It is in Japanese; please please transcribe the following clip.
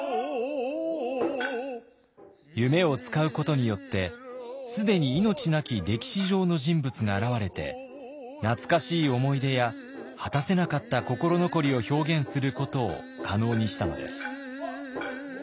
夢を使うことによって既に命なき歴史上の人物が現れて懐かしい思い出や果たせなかった心残りを表現することを可能にしたのです。